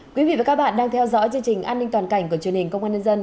quý vị và các bạn đang theo dõi chương trình an ninh toàn cảnh của truyền hình công an nhân dân